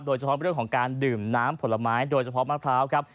โดยเฉพาะเรื่องของการดื่มน้ำผลไม้โดยเฉพาะมะพร้าวครับ